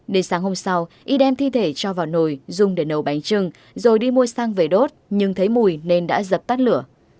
nên sáng hôm sau y đem thi thể cho vào nồi dùng để nấu bánh trưng rồi đi mua xăng về đốt nhưng thấy mùi nên đã dập tắt lửa